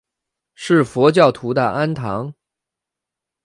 是佛教徒的庵堂。